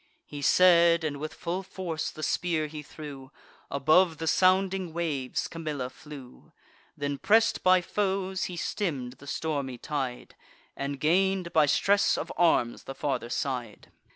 He said; and with full force the spear he threw: Above the sounding waves Camilla flew. Then, press'd by foes, he stemm'd the stormy tide, And gain'd, by stress of arms, the farther side.